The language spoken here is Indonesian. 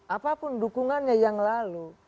apapun dukungannya yang lalu